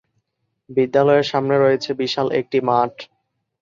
বিদ্যালয়ের সামনে রয়েছে বিশাল একটি মাঠ।